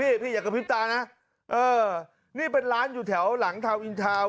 พี่พี่อย่ากระพริบตานะเออนี่เป็นร้านอยู่แถวหลังทาวนอินทาวน์